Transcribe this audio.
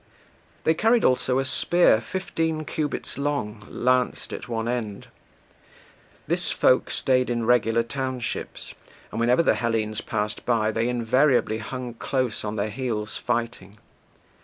They carried also a spear fifteen cubits long, lanced at one end (2). This folk stayed in regular townships, and whenever the Hellenes passed by they invariably hung close on their heels fighting.